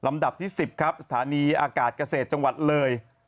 ดับที่๑๐ครับสถานีอากาศเกษตรจังหวัดเลย